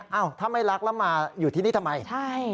เอ้าถ้าไม่รักแล้วมาอยู่ที่นี่ทำไมใช่